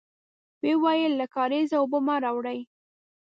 ويې ويل: له کارېزه اوبه مه راوړی!